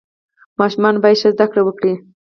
ماشومان باید ښه زده کړه وکړي.